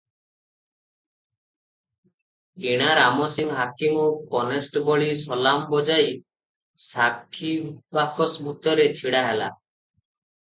କିଣାରାମ ସିଂ ହାକିମଙ୍କୁ କନେଷ୍ଟବଳୀ ସଲାମ ବଜାଇ ସାକ୍ଷୀ ବାକସ ଭିତରେ ଛିଡା ହେଲା ।